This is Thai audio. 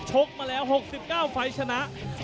กมาแล้ว๖๙ไฟล์ชนะ